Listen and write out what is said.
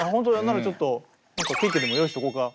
ならちょっと何かケーキでも用意しとこうか。